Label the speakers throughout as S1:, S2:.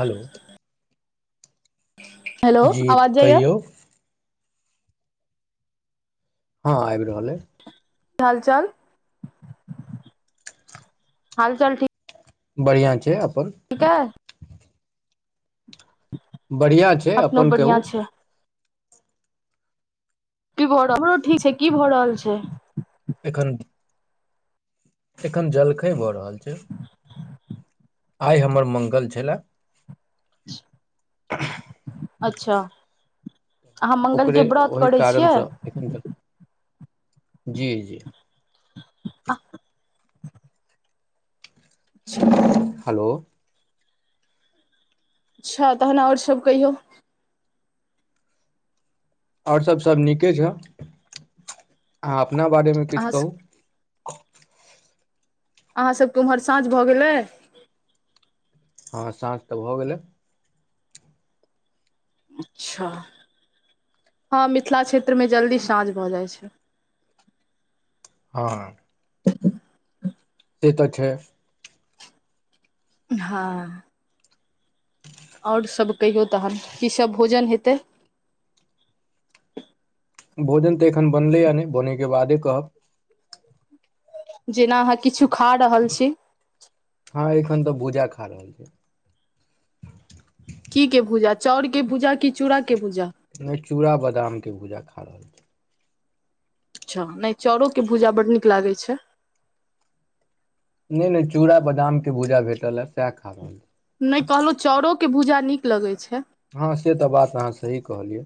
S1: हलो
S2: hello आवाज जाइया
S1: कहियौ हँ आ
S2: क हाल चाल हाल चाल ठीक
S1: बढ़िआ छै अपन
S2: ठीकै
S1: बढ़िआ छै
S2: अपनो
S1: अपन
S2: बढ़िया
S1: कहू
S2: छै त भरो ठीक छै की भऽ रहल छै
S1: एखन एखन जलखै भऽ रहल छै आइ हमर मङ्गल छलए
S2: ह
S1: [inaudible]
S2: अच्छा अहाँ
S1: ओकरे
S2: मङ्गलके व्रत
S1: ओहि
S2: करै छियै
S1: कारणसँ एखन जल जी जी
S2: आ
S1: हेलो
S2: अच्छा तहन आओर सभ कहियौ
S1: आओर सभ सभ नीके छै अहाँ अपना बारेमे
S2: अहाँ
S1: किछु कहू आ
S2: अहाँसभके ओम्हर साँझ भऽ गेलै
S1: हँ साँझ तऽ भऽ गेलै
S2: अच्छा हँ मिथिला क्षेत्रमे जल्दी साँझ भऽ जाइ छै
S1: हँ से तऽ छै
S2: हँ आओर सभ कहियौ तखन कीसभ भोजन हेतै
S1: भोजन तऽ एखन बनलैए नहि बनयके बादे कहब
S2: जेना अहाँ किछु खा रहल छी
S1: हँ एखन तऽ भूजा खा रहल छै
S2: की के भूजा चाउर के भूजा किी चूड़ा के भूजा
S1: नहि चूड़ा बादाम के भूजा खा रहल छी
S2: अच्छा नहि चाउरोके भूजा बड्ड नीक लागै छै
S1: नहि नहि चूड़ा बादामके भूजा भेटल हँ सएह खा रहल
S2: नहि कहलहु चाउरो के भूजा नीक लगैत छै
S1: हँ से तऽ बात अहाँ सही कहलियै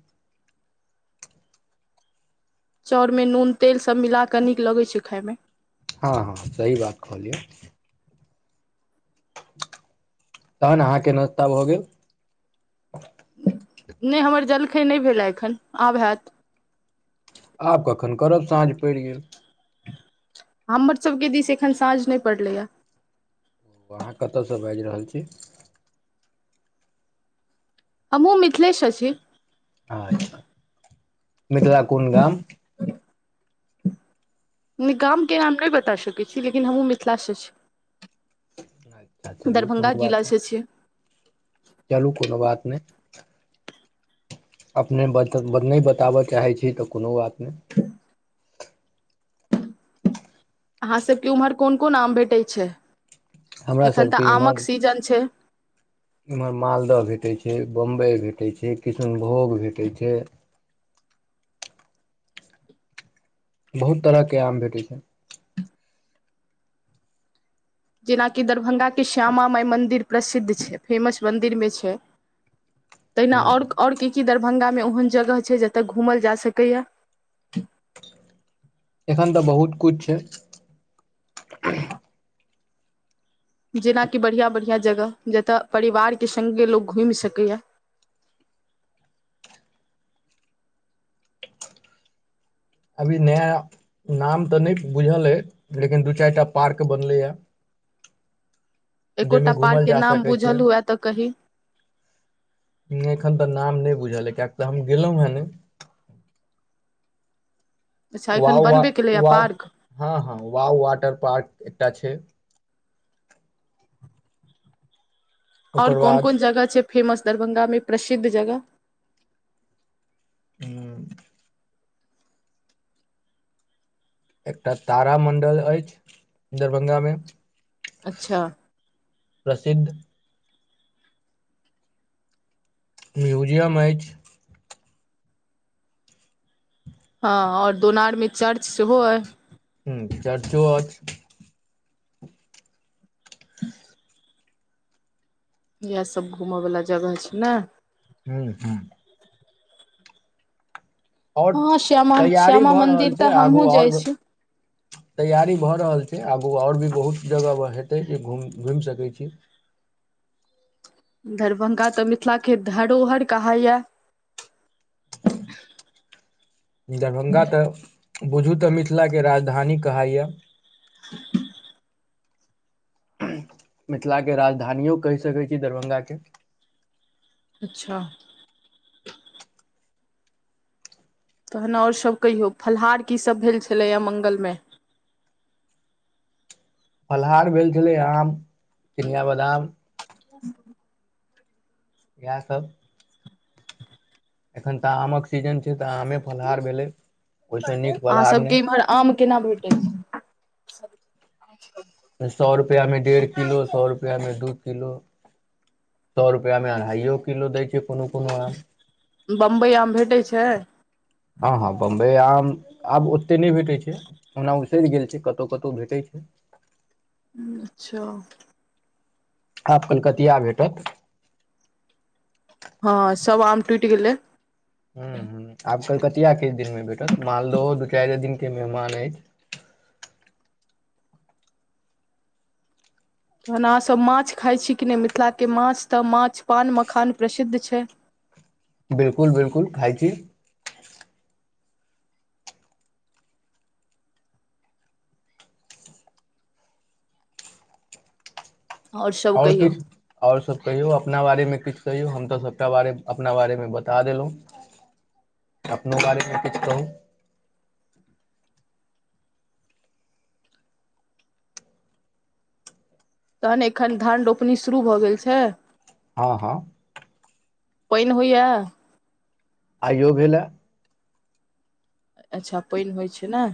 S2: चाउरमे नून तेलसभ मिला कऽ नीक लगैत छै खाायमे
S1: हँ हँ सही बात कहलियौ तहन अहाँके नाश्ता भऽ गेल
S2: नहि हमर जलखै नहि भेलए एखन आब हैत
S1: आब कखन करब साँझ पड़ि गेल
S2: हमरसभके दिस एखन साँझ नहि पड़लैए
S1: अहाँ कतयसँ बाजि रहल छी
S2: आ हमू मिथिलेश अछि छी
S1: अच्छा मिथिला कोन गाम
S2: नहि गामके नाम नहि बता सकै छी लेकिन हमहूँ मिथिलासँ छी
S1: अच्छा चलू
S2: दरभंगा
S1: कोनो बात है
S2: जिलासँ छियै
S1: चलू कोनो बात नहि अपने बत नहि बताबय चाहै छी तऽ कोनो बात नहि
S2: अहाँसभके ओम्हर कोन कोन आम भेटैत छै
S1: हमरा
S2: एखन तऽ आमक सीजन छै
S1: एम्हर मालदह भेटैत छै बम्बइ भेटैत छै किष्नभोग भेटैत छै
S2: [inaudible]
S1: बहुत तरहके आम भेटैत छै
S2: जेनाकि दरभंगाके श्यामा माइ मन्दिर प्रसिद्ध छै फेमस मन्दिरमे छै तहिना
S1: हँ
S2: आओर की कि दरभङंगामे ओ ओहन जगह छै जतय घूमल जा सकैया
S1: एखन तऽ बहुत किछु छै
S2: जेनाकि बढ़िआँ बढ़िआँ जगह जतय परिवारके सङ्गे लोक घुमि सकैए [inaudible]
S1: अभी नया नाम तऽ नहि बुझल अइ लेकिन दू चारि टा पार्क बनलैए
S2: एकोटा
S1: जाहिमे
S2: पार्क
S1: घुमल
S2: के
S1: जा
S2: नाम
S1: सकै छै
S2: बुझल हुए तऽ कही
S1: एखन तऽ नाम नहि बुझल ह कियक तऽ हम गेलहुं हे ने
S2: अच्छा
S1: व
S2: एखन
S1: व
S2: बनबे केलैया
S1: वाव
S2: पार्क
S1: हँ हँ वाव वाटर पार्क एकटा छै
S2: ओर
S1: ओकर
S2: कोन
S1: बाद
S2: कोन जगह छै फेमस दरभ्ंगामे प्रसिद्ध जगह
S1: ह एकटा तारामण्डल अछि दरभंगामे
S2: अच्छा
S1: प्रसिद्ध म्यूजियम मैज
S2: हँ ओर दोनर चर्चो सेहो अछि
S1: चर्चो अछि
S2: इएहसभ घूमयवला जगह छै ने
S1: हू हँ ओर
S2: हँ श्यामा
S1: तैयारी
S2: श्यामा
S1: भऽ रहल
S2: मंदिर
S1: छै
S2: तऽ
S1: आगू
S2: हमहुँ
S1: ओर
S2: जाइ छी
S1: तैयारी भऽ रहल छै आगू ओर भी बहुत जगह हेतै जे घुम घुमि सकै छी
S2: दरभंगा तऽ मिथिलाके धरोहर कहइए [inaudible]
S1: दरभंगा तऽ बुझू तऽ मिथिलाके राजधानी कह यए
S2: [inaudible]
S1: मिथिलाके राजधानियो कहि सकै छी दरभंगाके
S2: अच्छा तहन आओर सभ कहियौ फलाहार कीसभ भेल छलैए मंगल मयै
S1: फलाहार भेल छलै आम चनििया बादाम
S2: क [inaudible]
S1: इएहसभ एखन तऽ आमक सीजन छै तऽ आमे फलहार भेलै ओहिसँ नीक फलहार
S2: अहाँसभके
S1: नहि
S2: इम्हर आम केना भेटै छै
S1: सए रुपआ में डेढ़ किलो सए रुपआ में दू को सए रुपआ मे अढ़ाइो किलो दै छै कोनो कोनो आम
S2: बम्बइ आम भेटै छै
S1: हँ हँ बम्बई आम आब ओते नहि भेटैत छै ओना उसरि गेल छै कतहु कतहु भेटैत छै
S2: अच्छा
S1: आ अपन कथिी आ भेटत
S2: हँ सब आम टुटि गेलै
S1: ह ह आ कलकतिया किस दिन में बैठो मालदहो दू चारि दिन क के मेहमान अछि
S2: तहन अहाँसभ माछ खााय छी कि नहि मिथिलाके माछ तऽ माछ पान मखान प्रसिद्ध छै [inaudible]
S1: बिलकुल बिलकुल खाइ छी
S2: आओर सभ
S1: ओर
S2: कहियौ
S1: किछु ओर सब कहियौ अपना बारेमे किछु कहियौ हम तऽ सभटा बारे अपना बारेमे बता देलहुँ अपनो बड़ेमे किछ कहू
S2: तखन एखन धान रोपनी शुरू भऽ गेल छै
S1: हँ हँ
S2: पइन होइए
S1: आइयो भेलए
S2: अच्छा पानि होइ छै ने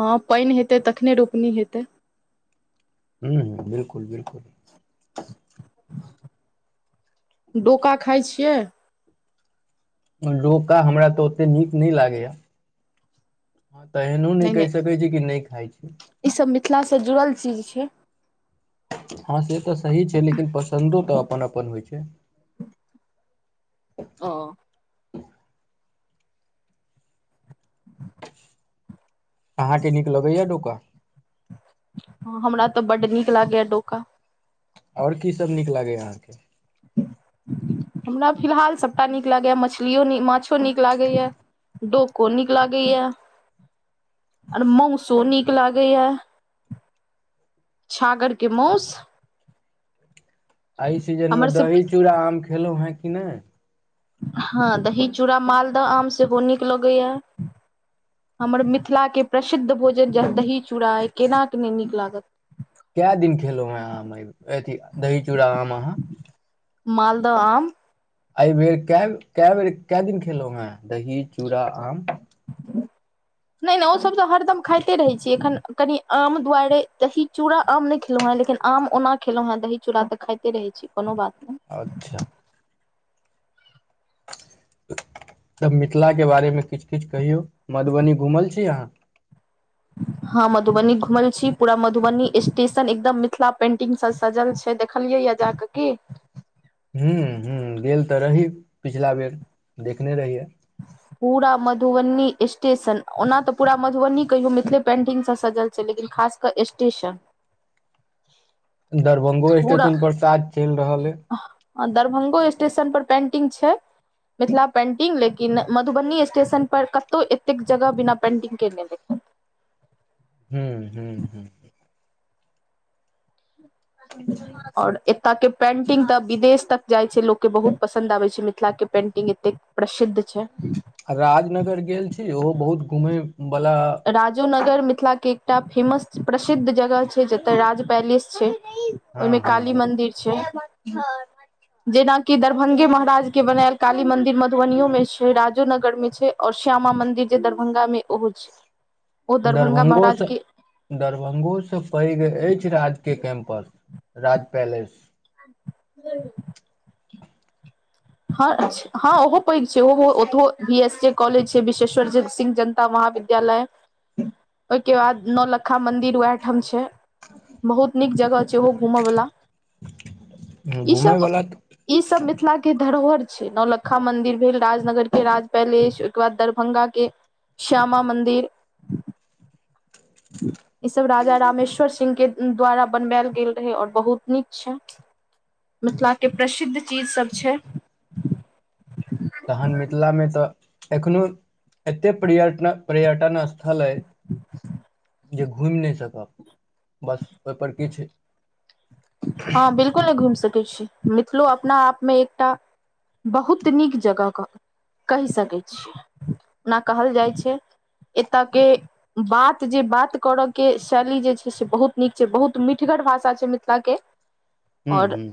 S2: हँ पानि हेतै तखने रोपनी हेतै
S1: ह ह बिलकुल बिलकुल
S2: डोका खाइ छियै
S1: रोका हमरा तऽ ओतेक नीक नहि लागैए हँ तऽ एहनो नहि कहि सकै छी कि नहि खाइ छि
S2: ईसभ मिथिलासँ जुड़ल चीज छै
S1: हँ से तऽ सही छै लेकिन पसन्दो तऽ अपन अपन होइ छै
S2: ह
S1: अहाँके नीक लगैया डोका
S2: ह हमरा तऽ बड्ड नीक लागैएा डोका
S1: ते
S2: हमरा फिलहाल सभटा नीक लागैए मछलिओ माछो नीक लागैए डोको नीक लागै है मंसो नीक लागै है छागरके मंस
S1: एहि सीजनमे दही चूड़ा आम खेलहुँ है कि नहि
S2: हँ दही चूड़ा मालदह आम सेहो नीक लगैए हमर मिथिलाके प्रसिद्ध भोजन जे दही चूड़ा अ केनाके नहि नीक लागत
S1: क दिन खेलो हैं आम अथ दही चूड़ा आम अहा
S2: दम
S1: एहिइ बेर क क बेर क दिन खेलहु ह दही चूड़ा आम
S2: ह नहि नहि ओसभ तऽ हरदम खाइते रहै छीै एखन कनि आम दुआरे तही चूड़ा आम नहि खेलौँ हे लेकिन आम ओना खेलों हें दही चूड़ा तऽ खाे रहे छी कोनो बात नहि
S1: अच्छा तब मिथिला के बारेमे किछु किछु कहियौ मधुबनी घुमल छी अहाँ
S2: ह हां मधुबनी घुमल छी पूरा मधुबनी स्टेशन एकदम मिथिला पेंटिंग से सजल छै देखलिये जा कऽ कि
S1: हू ह गेल तऽ रही पिछला बेर देखने रहिये
S2: पूरा मधुबनी स्टेशन ओना तऽ पूरा मधुबनी कहियौ मिथिले पेंटिंगसँ सजल छै लेकिन खासकर स्टेशन
S1: दरभ्ंगो स्टेशन पर तऽ काज चलि रहल हइ
S2: ह दरभंगो स्टेशन पर पेंटिंग छै मिथिला पेन्टिंग लेकिन मधुबनी स्टेशनपर कतहु एतेक जगह बिना पेन्टिंगके नहि देखथि ह
S1: हू हू ह
S2: ओर एत के पेंटिंग त विदेश तक जाय छै लोको के बहुत पसंन्द आबे छै मिथिला के पेंटिंग एते प्रसिद्ध छै
S1: राजनगर गेल छी ओहो बहुत घूमयवला
S2: गर मिथिलाके एकटा फेमस प्रसिद्ध जगह छै जतय राज पैलेस छै
S1: हँ
S2: ओहिमे
S1: हँ
S2: काली
S1: ओ
S2: मन्दिर छै जेनाकि दरभंगे महाराज के बनायल काली मंदिर मधुबनियो मे छै राजो नगर मे छै ओर श्यामा मंदिर जे दरभंगा मे ओहो छै ओ दरभंगा महाराज
S1: दरभंगोसँ
S2: के
S1: दरभंगोसँ पैघ अछि राजकेय कैम्पस राज पैलेस
S2: हू ह हँ ओहो पैघ छैहो ओतहो बी एस ए कॉलेज छै विशेश्वर सिंह जनता वहाँ महा विद्यालय ओहिके बाद नौलखा मंदिर ओएह ठाम छै बहुत नीक जगह छै ओहो घूमवला ई
S1: घूमय
S2: सब
S1: वला
S2: ई सब मिथिला के धरोहर छै नौलक्खा मंदिर भेल राजनगर के राज पैलेस ओहिके बाद दरभंगा के श्यामा मन्दिर ई सब राजा रमेश्वर सिंह के द्वारा बनबायल गेल रहै आओर बहुत नीक छै मिथिलाके प्रसिद्ध चीजसभ छै
S1: तखन मिथिलामे तऽ एखनोहु एतेक पर्यट पर्यटन स्थल छलै जे घुमि नहि सकब बस ओहिपर किछु
S2: हँ बिलकुल नहि घुमि सकैत छी मिथिलो अपना आपमे एकटा बहुत नीक जगहके कहि सकैत छियै ओना कहल जाइ छै एतय के बात जे बात करय के शैली जे छै से बहुत नीक छै बहुत मीठा भाषा छै मिथिलाके
S1: हुं
S2: आओर
S1: हुं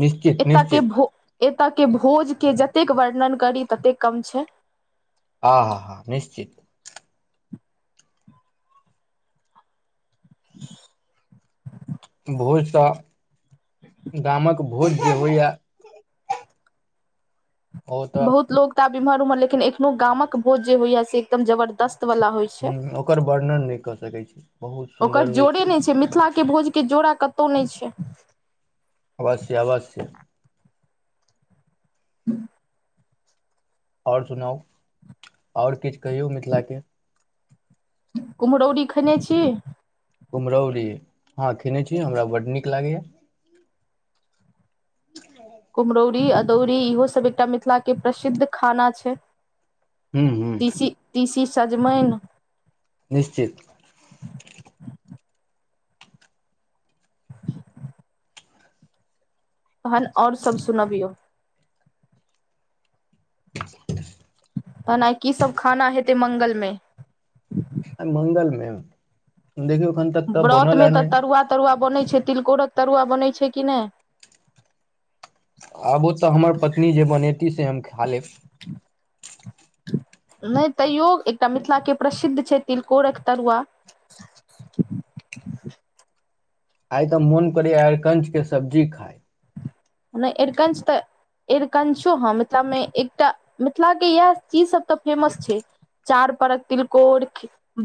S1: निश्चित
S2: ए ताक
S1: निश्चित
S2: भो ओतऽ के भोजके जतेक वर्णन करी ततेक कम छै
S1: हँ ह अहा निश्चित भोजसँ गामक भोज जे होइए ओ तऽ
S2: बहुत लोग तऽ आब एम्हर उम्हर लेकिन एखनो गामक भोज जे होइया से एकदम जबरदस्त वला होइ छै
S1: हुं ओकर वर्णन नहि कऽ सकै छी बहुत
S2: ओकर
S1: सुन्दर होइ
S2: जोड़े नहि छै मिथिला के भोज के जोड़ा कतहु नहि छै
S1: अवश्य अवश्य
S2: ह्म
S1: आओर सुनाउ आओर किछु कहियौ मिथिलाके
S2: कुम्हरौरी खेने छी
S1: कुम्हरौरी हँ खेने छी हमरा बड्ड नीक लागैए
S2: [inaudible] कुम्हरौरी अदौरी इहोसभ एकटा मिथिलाके प्रसिद्ध खाना छै
S1: हूँ हूँ
S2: तिसी तिसी सजमनि
S1: निश्चित
S2: तहन आओर सभ सुनबियौ तेना कीसभ खाना हेतै मङ्ंगलमे
S1: आइ मंगल मे देखियौ एखन तक तऽ
S2: व्रत
S1: बनल
S2: में
S1: ह
S2: तऽ
S1: नहि
S2: तरुआ तरुआ बनै छै तिलकोरक तरुआ बनैत छै छै कि नहि
S1: आब ओ तऽ हमर पत्नी जे बनेती से हम खा लेब
S2: नहि तैयो एकटा मिथिलाके प्रसिद्ध छै तिलकोरक तरुआ [inaudible]
S1: आइ तऽ मोन करै आरकंचके सब्जी खाइ
S2: नहि एरकंच‌तऽ एरकंछो हँ मिथिलामे एकटा मिथिलाे इएह चीजसभ तऽ फेमस छै चार परक तिलकोर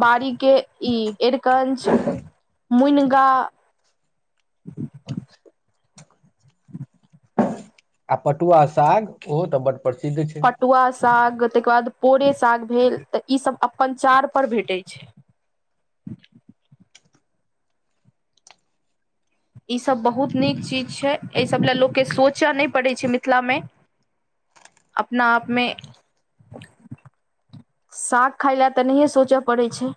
S2: बड़ी के ई एरकञ मुन गा
S1: आ पटुआ साग ओहो तऽ बड्ड प्रसिद्ध छैइ
S2: पटुआ साग तई के बाद पोरे साग भेल तऽ ई सब अपन चारे पर भेटैइ छैइ [inaudible] ईसब बहुत नीक चीज छैइ अइसब लेल लोकके सोंचय नई पड़ै छैइ मिथिला में अपना आपमें साग खाय लेल तऽ नहिए सोचय पड़ै छैइ